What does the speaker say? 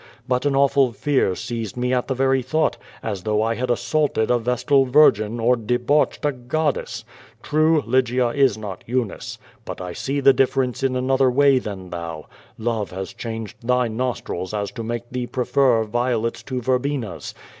But an awful fear seized me at the very thought, as though I had assaulted a vestal virgin, or debauched a goddess. "J^rue, Lygia is not Eunice. But I see the difference in another way than thou. Love has changed thy nostrils so as to make thee prefer violets to verbenas.